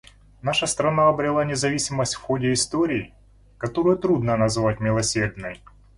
Наша страна обрела независимость в ходе истории, которую трудно назвать милосердной.